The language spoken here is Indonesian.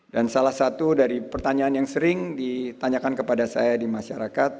dan salah satu dari pertanyaan yang sering ditanyakan kepada saya di masyarakat